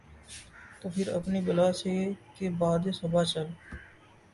تو پھر اپنی بلا سے کہ باد صبا چلے۔